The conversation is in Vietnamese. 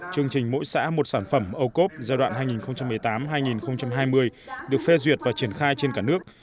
chương trình mỗi xã một sản phẩm ô cốp giai đoạn hai nghìn một mươi tám hai nghìn hai mươi được phê duyệt và triển khai trên cả nước